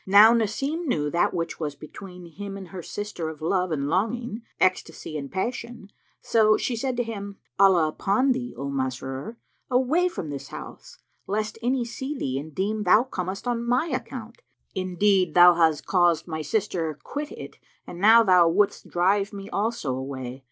Now Nasim knew that which was between him and her sister of love and longing, ecstasy and passion; so she said to him, "Allah upon thee, O Masrur, away from this house, lest any see thee and deem thou comest on my account! Indeed thou hast caused my sister quit it and now thou wouldst drive me also away.